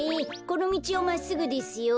このみちをまっすぐですよ。